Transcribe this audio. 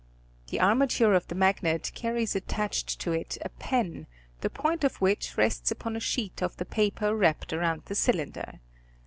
The armature of the magnet carries attached to it a pen, the point of which rests upon a sheet of the paper wrapped around the cylinder.